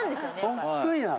そっくりなの。